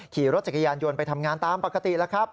ขี่รถจักรยานยนต์ไปทำงานตามปกติแล้วครับ